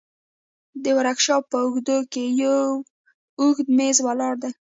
د ورکشاپ په اوږدو کښې يو اوږد مېز ولاړ دى.